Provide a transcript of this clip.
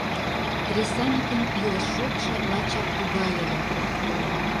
Кресаньыкын илыш шотшо лачак тугай ыле.